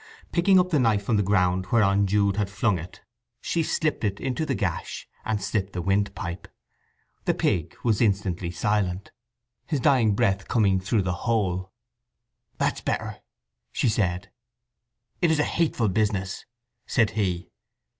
Picking up the knife from the ground whereon Jude had flung it, she slipped it into the gash, and slit the windpipe. The pig was instantly silent, his dying breath coming through the hole. "That's better," she said. "It is a hateful business!" said he.